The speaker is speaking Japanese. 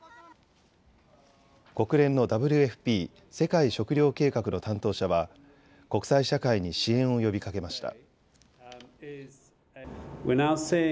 国連のＷＦＰ・世界食糧計画の担当者は国際社会に支援を呼びかけました。